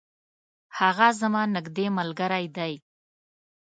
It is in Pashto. هغه زما نیږدي ملګری دی.